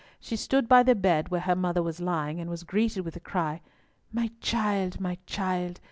She stood by the bed where her mother was lying, and was greeted with the cry, "My child, my child!